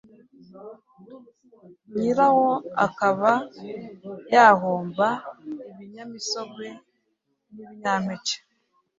nyirawo akaba yahomba. Ibinyamisogwe n’ibinyampeke